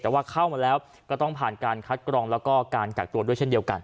แต่ว่าเข้ามาแล้วก็ต้องผ่านการคัดกรองแล้วก็การกักตัวด้วยเช่นเดียวกัน